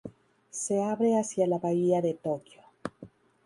Se abre hacia la Bahía de Tokio.